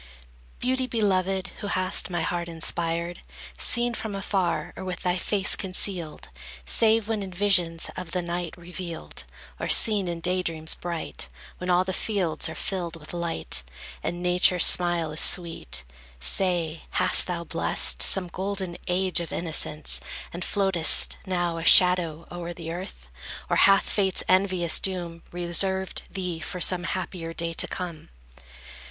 Beauty beloved, who hast my heart inspired, Seen from afar, or with thy face concealed, Save, when in visions of the night revealed, Or seen in daydreams bright, When all the fields are filled with light, And Nature's smile is sweet, Say, hast thou blessed Some golden age of innocence, And floatest, now, a shadow, o'er the earth? Or hath Fate's envious doom Reserved thee for some happier day to come?